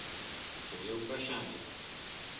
To je vprašanje.